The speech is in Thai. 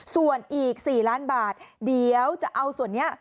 ส่วนอีก๔ล้านบาทเดี๋ยวจะเอาส่วนนี้